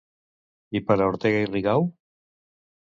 I per a Ortega i Rigau?